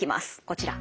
こちら。